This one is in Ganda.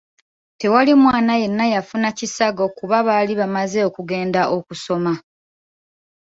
Tewali mwana yenna yafuna kisago kuba baali bamaze okugenda okusoma.